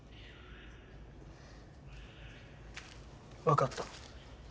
わかった。